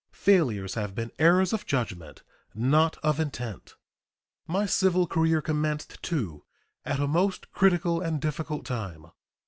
Failures have been errors of judgment, not of intent. My civil career commenced, too, at a most critical and difficult time.